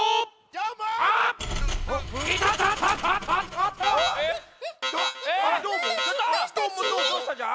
どうしたんじゃ？